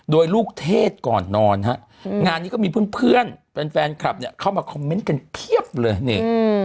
โดยลูกเทศก่อนนอนฮะงานนี้ก็มีเพื่อนแฟนคลับเนี่ยเข้ามาคอมเมนต์กันเพียบเลยนี่